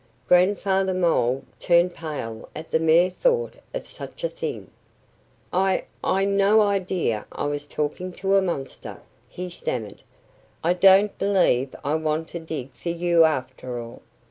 Grandfather Mole turned pale at the mere thought of such a thing. "I I'd no idea I was talking to a monster," he stammered. "I don't believe I want to dig for you, after all."